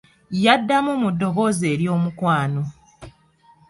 Yamuddamu mu ddoboozi ery'omukwano.